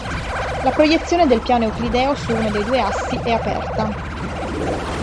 La proiezione del piano euclideo su uno dei due assi è aperta.